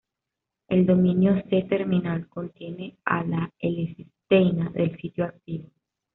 El dominio C-terminal contiene a la L-cisteína del sitio activo.